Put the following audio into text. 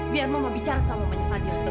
biar mama bicara sama mama nyepanya